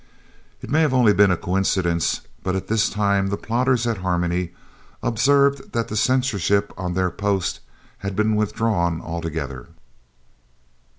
It may have been only a coincidence, but at this time the plotters at Harmony observed that the censorship on their post had been withdrawn altogether.